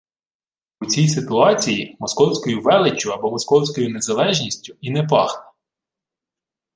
У цій ситуації московською величчю, або московською незалежністю, і «не пахне»